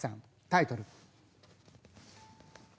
タイトル